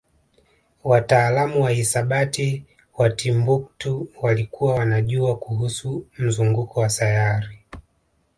wataalamu wa hisabati wa Timbuktu walikuwa wanajua kuhusu mzunguko wa sayari